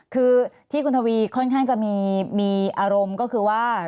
คือที่คุณทวีค่อนข้างจะมีอารมณ์ก็คือว่า